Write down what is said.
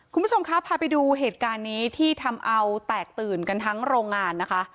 คุณผู้ชมคะพาไปดูเหตุการณ์นี้ที่ทำเอาแตกตื่นกันทั้งโรงงานนะคะ